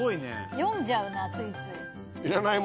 読んじゃうなついつい。